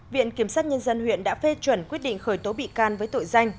viện kiểm sát nhân dân huyện đã phê chuẩn quyết định khởi tố bị can với tội danh